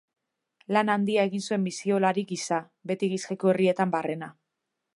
Lan handia egin zuen misiolari gisa, beti Bizkaiko herrietan barrena.